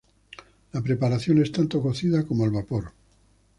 La preparación es tanto cocida como al vapor.